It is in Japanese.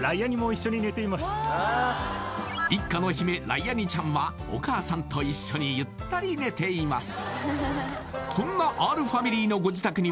ライアニちゃんはお母さんと一緒にゆったり寝ています